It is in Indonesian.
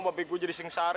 babi gue jadi sengsara